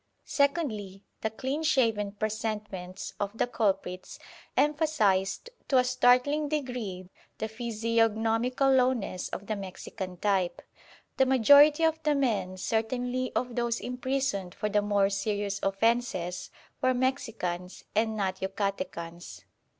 Secondly, the clean shaven presentments of the culprits emphasised to a startling degree the physiognomical lowness of the Mexican type. The majority of the men certainly of those imprisoned for the more serious offences were Mexicans, and not Yucatecans.